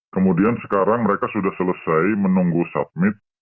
kemudian sekarang mereka sudah selesai menunggu submit